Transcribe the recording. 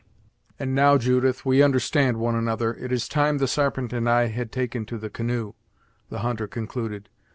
"And now, Judith, as we understand one another, it is time the Sarpent and I had taken to the canoe," the hunter concluded.